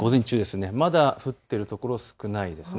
まだ降っているところ少ないです。